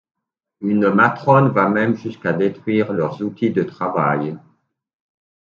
Une matrone va même jusqu'à détruire leurs outils de travail.